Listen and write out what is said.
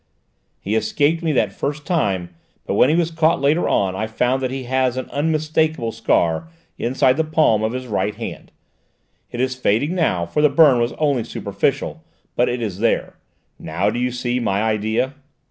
He escaped me that time, but when he was caught later on I found that he has an unmistakable scar inside the palm of his right hand; it is fading now, for the burn was only superficial, but it is there. Now do you see my idea?"